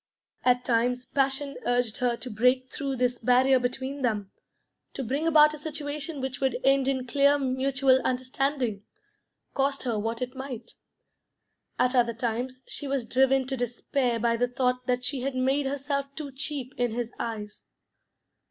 At times passion urged her to break through this barrier between them, to bring about a situation which would end in clear mutual understanding, cost her what it might. At other times she was driven to despair by the thought that she had made herself too cheap in his eyes.